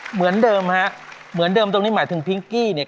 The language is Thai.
เหมือนเดิมฮะเหมือนเดิมตรงนี้หมายถึงพิงกี้เนี่ย